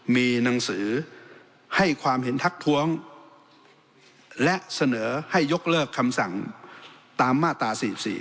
มีหนังสือให้ความเห็นทักท้วงและเสนอให้ยกเลิกคำสั่งตามมาตรา๔๔